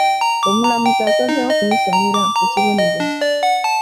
Omulamuzi asazeewo okumusomera ekibonerezo.